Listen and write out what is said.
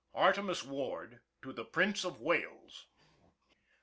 ARTEMUS WARD TO THE PRINCE OF WALES.